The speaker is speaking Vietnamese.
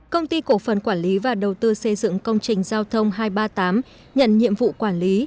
công ty cổ phần quản lý và đầu tư xây dựng công trình giao thông hai trăm ba mươi tám nhận nhiệm vụ quản lý